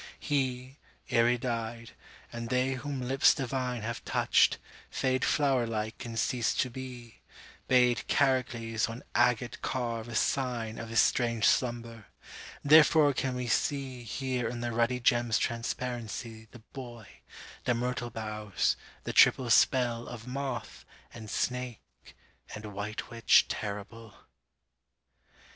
He, ere he died—and they whom lips divineHave touched, fade flower like and cease to be—Bade Charicles on agate carve a signOf his strange slumber: therefore can we seeHere in the ruddy gem's transparencyThe boy, the myrtle boughs, the triple spellOf moth and snake and white witch terrible.